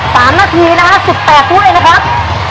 สามนาทีนะฮะสิบแปดถ้วยนะครับ